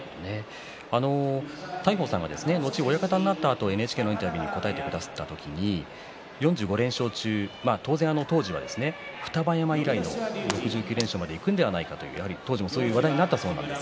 大鵬さんは親方になったあとＮＨＫのインタビューに答えてくれた時に４５連勝中、当然当時は双葉山以来の６９連勝いくのではないかという話になったそうです。